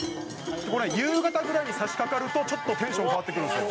「これ夕方ぐらいに差し掛かるとちょっとテンション変わってくるんですよ」